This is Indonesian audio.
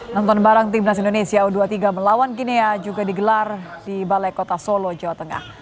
nonton bareng timnas indonesia u dua puluh tiga melawan kinea juga digelar di balai kota solo jawa tengah